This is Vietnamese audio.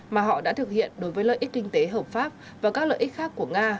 mà họ đã thực hiện đối với lợi ích kinh tế hợp pháp và các lợi ích khác của nga